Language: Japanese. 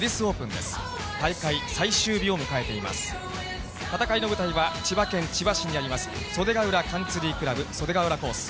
戦いの舞台は、千葉県千葉市にあります、袖ヶ浦カンツリークラブ・袖ヶ浦コース。